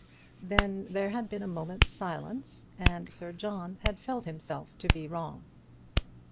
Then there had been a moment's silence, and Sir John had felt himself to be wrong.